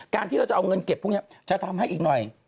การที่เราจะเอาเงินเก็บพวกนี้จะทำให้อีกหน่อย